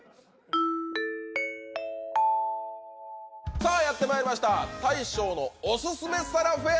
さぁやってまいりました「大将のオススメ皿フェア」！